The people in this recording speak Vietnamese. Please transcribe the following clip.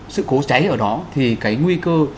sự cố cháy ở đó thì cái nguy cơ